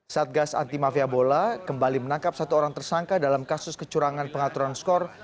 satgas anti mafia bola kembali menangkap satu orang tersangka dalam kasus kecurangan pengaturan skor